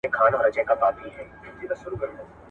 تاریخي خواړه په ډبریزو هاونو کې جوړېدل.